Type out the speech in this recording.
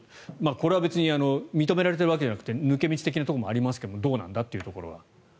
これは別に認められてるわけじゃなくて抜け道的なところもありますがどうなんだというところは。